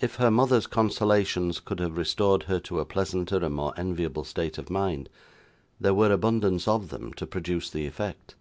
If her mother's consolations could have restored her to a pleasanter and more enviable state of mind, there were abundance of them to produce the effect.